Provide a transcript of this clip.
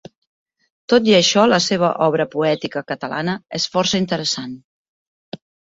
Tot i això la seva obra poètica catalana és força interessant.